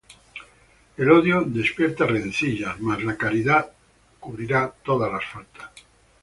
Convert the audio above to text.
El odio despierta rencillas: Mas la caridad cubrirá todas las faltas.